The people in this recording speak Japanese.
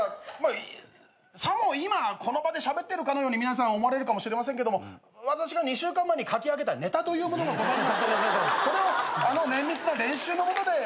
さも今この場でしゃべってるかのように皆さん思われるかもしれませんけども私が２週間前に書き上げたネタというものがございましてそれを綿密な練習のもとで。